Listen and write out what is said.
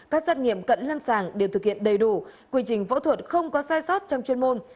các xét nghiệm cận lâm sàng đều thực hiện đầy đủ quy trình phẫu thuật không có sai sót trong chuyên môn